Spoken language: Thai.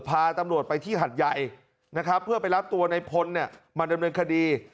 พาตำรวจไปที่หัดใหญ่นะครับเพื่อไปรับตัวในพลเนี่ยมาดำเนินคดี